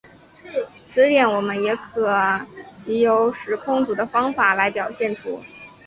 此点我们也可藉由时空图的方法来表现出。